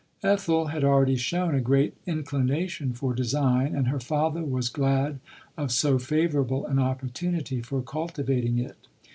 Ethel had already shown a great inclination for design, and her father was glad of so favourable an opportunity for culti vating it.